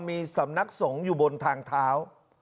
มีสำนักสงฆ์อยู่บนทางเท้า